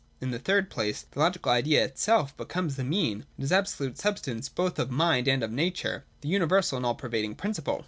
In the third place again the Logical Idea itself becomes the mean : it is the absolute substance both of mind and of nature, the universal and all pervading principle.